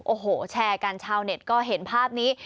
โอ้โหแชร์กันชาวเน็ตก็เห็นภาพนี้